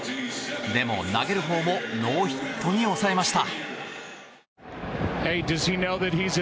でも、投げるほうもノーヒットに抑えました。